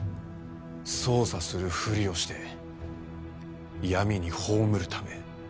捜査するふりをして闇に葬るため。